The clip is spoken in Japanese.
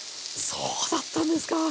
そうだったんですか！